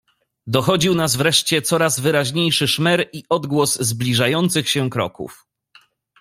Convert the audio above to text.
"Dochodził nas wreszcie coraz wyraźniejszy szmer i odgłos zbliżających się kroków."